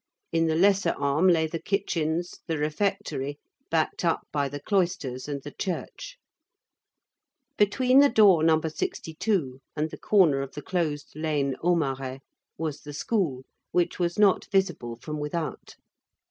In the lesser arm lay the kitchens, the refectory, backed up by the cloisters and the church. Between the door No. 62 and the corner of the closed Aumarais Lane, was the school, which was not visible from without.